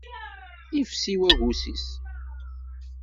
Ifsi waggus-is.